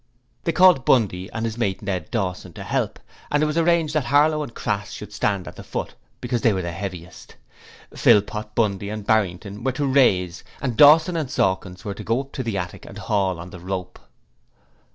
They called Bundy and his mate Ned Dawson to help, and it was arranged that Harlow and Crass should stand on the foot because they were the heaviest. Philpot, Bundy, and Barrington were to 'raise', and Dawson and Sawkins were to go up to the attic and haul on the rope.